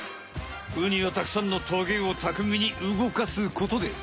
ウニはたくさんのトゲをたくみに動かすことで。